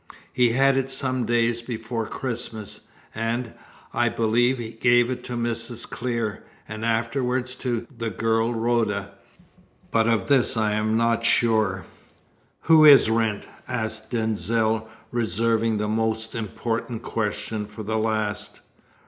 He had it some days before Christmas, and, I believe, gave it to Mrs. Clear, and afterwards to the girl Rhoda. But of this I am not sure." "Who is Wrent?" asked Denzil, reserving the most important question for the last.